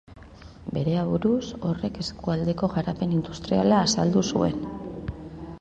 Bere aburuz, horrek eskualdeko garapen industriala azaldu zuen.